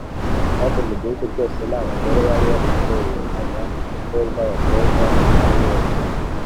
Kandi mu gihugu cyose nta bagore bari bafite uburanga nk ubwa abakobwa ba yobu